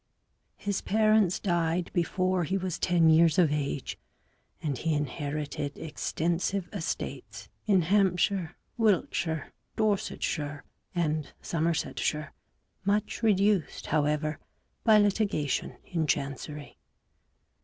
His parents died before he was ten years of age, and he inherited extensive estates in Hampshire, Wiltshire, Dorsetshire and Somersetshire, much reduced, however, by litigation in Chancery.